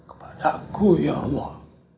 kepada aku ya allah